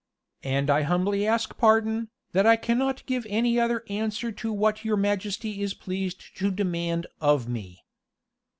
And I humbly ask pardon, that I cannot give any other answer to what your majesty is pleased to demand of me."